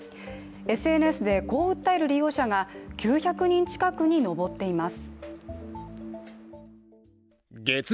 ＳＮＳでこう訴える利用者が９００人近くに上っています。